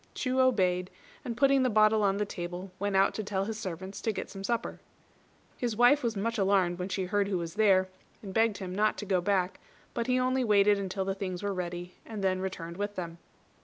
Chu obeyed, and putting the bottle on the table, went out to tell his servants to get some supper. His wife was much alarmed when she heard who was there, and begged him not to go back; but he only waited until the things were ready, and then returned with them.